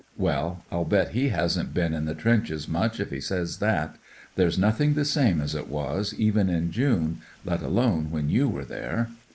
Well, I'll bet he hasn't been in the trenches much if he says that. There's nothing the same as it was, even m June, let alone when you were there."